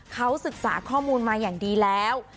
เขาศึกษาข้อมูลมาอย่างดีแล้ว